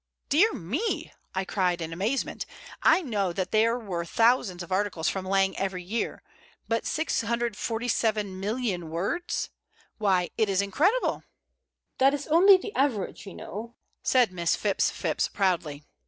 "Dear me!" I cried in amazement. "I know that there were thousands of articles from Lang every year, but 647,000,000 words! Why, it is incredible!" "That is only the average, you know," said Miss Phipps Phipps, proudly.